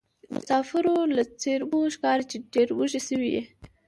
مسافرو له څېرومو ښکاري چې ډېروږي سوي یې.